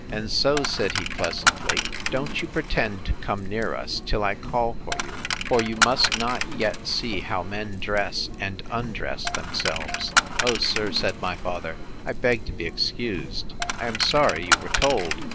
And so, said he, pleasantly, don't you pretend to come near us, till I call for you; for you must not yet see how men dress and undress themselves. O sir, said my father, I beg to be excused. I am sorry you were told.